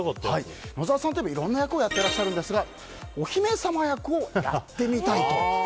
野沢さんといえばいろんな役をやっていらっしゃるんですがお姫様役をやってみたいと。